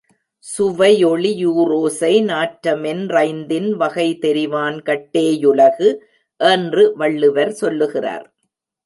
சுவையொளி யூறோசை நாற்றமென் றைந்தின் வகைதெரிவான் கட்டே யுலகு என்று வள்ளுவர் சொல்லுகிறார்.